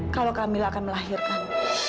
kalau kamila akan melahirkan